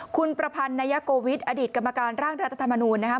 คุณประพันธ์นายโกวิทย์อดีตกรรมการร่างรัฐธรรมนูญนะครับ